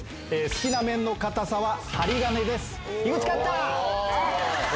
好きな麺の硬さははりがねです。